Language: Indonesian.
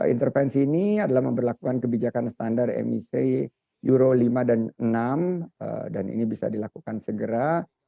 intervensi ini adalah memperlakukan kebijakan standar mic euro lima dan enam dan ini bisa dilakukan segera